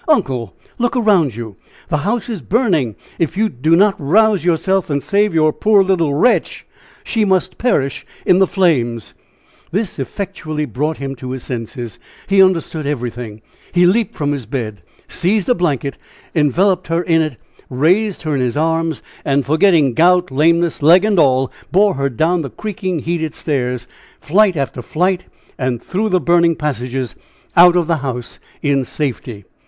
"Uncle, look around you! The house is burning! if you do not rouse yourself and save your poor little 'wretch,' she must perish in the flames!" This effectually brought him to his senses; he understood everything! he leaped from his bed, seized a blanket, enveloped her in it, raised her in his arms, and, forgetting gout, lameness, leg and all, bore her down the creaking, heated stairs, flight after flight, and through the burning passages out of the house in safety.